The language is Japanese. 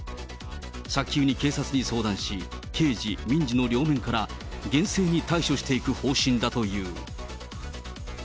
早急に警察に相談し、刑事、民事の両面から、厳正に対処していく方針だという。